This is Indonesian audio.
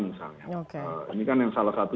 misalnya ini kan yang salah satu